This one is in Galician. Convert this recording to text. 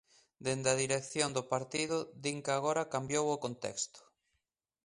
Dende a dirección do partido din que agora cambiou o contexto.